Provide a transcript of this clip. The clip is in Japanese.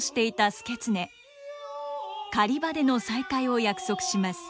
狩場での再会を約束します。